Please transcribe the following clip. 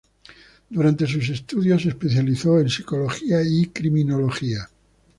Durante sus estudios se especializó en psicología y criminología.